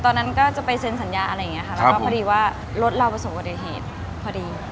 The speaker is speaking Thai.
ตอนนั้นก็จะไปเซ็นสัญญาอะไรอย่างนี้นะครับแล้วพอดีว่ารถเราจะส่งวันเดือนเหตุพอดี